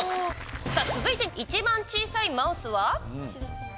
続いて、一番小さいマウスは？